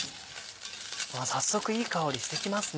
早速いい香りしてきますね。